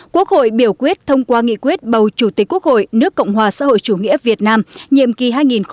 quốc hội biểu quyết thông qua nghị quyết bầu chủ tịch quốc hội nước cộng hòa xã hội chủ nghĩa việt nam nhiệm kỳ hai nghìn hai mươi một hai nghìn hai mươi sáu